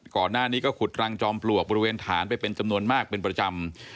ก่อนหน้านี้ก็ขุดรังจอมปลวกบริเวณฐานไปเป็นจำนวนมากเป็นประจำ